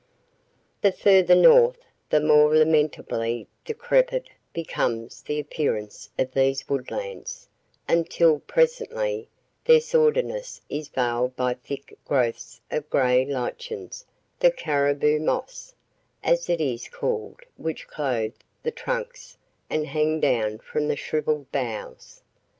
The further north the more lamentably decrepit becomes the appearance of these woodlands, until, presently, their sordidness is veiled by thick growths of gray lichens the "caribou moss," as it is called which clothe the trunks and hang down from the shrivelled boughs.